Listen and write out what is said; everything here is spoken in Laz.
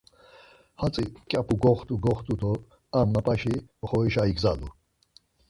Hatzi mǩyapu goxtu goxtu do ar mapaşi oxorişa igzalu.